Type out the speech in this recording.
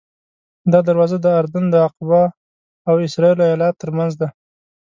دا دروازه د اردن د عقبه او اسرائیلو ایلات ترمنځ ده.